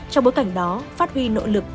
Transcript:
trong bối cảnh đó phát huy nỗ lực